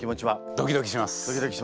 ドキドキします。